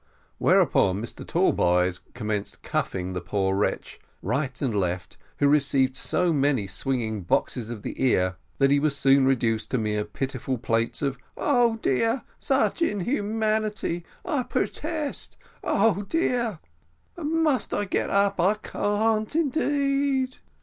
Whereupon Mr Tallboys commenced cuffing the poor wretch right and left, who received so many swinging boxes of the ear, that he was soon reduced to merely pitiful plaints of "Oh, dear! such inhumanity I purtest oh, dear! must I get up? I can't, indeed."